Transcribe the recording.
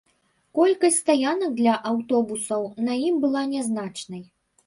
Колькасць стаянак для аўтобусаў на ім была нязначнай.